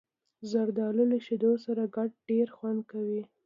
زردالو له شیدو سره ګډ ډېر خوند کوي.